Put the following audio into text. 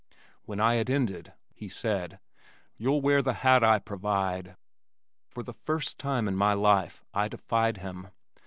When I had ended he said, "You'll wear the hat I provide." For the first time in my life I defied him.